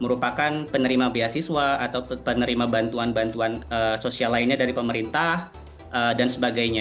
merupakan penerima beasiswa atau penerima bantuan bantuan sosial lainnya dari pemerintah dan sebagainya